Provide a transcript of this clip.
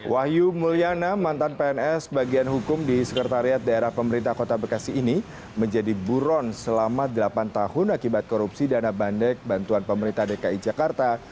wahyu mulyana mantan pns bagian hukum di sekretariat daerah pemerintah kota bekasi ini menjadi buron selama delapan tahun akibat korupsi dana bandek bantuan pemerintah dki jakarta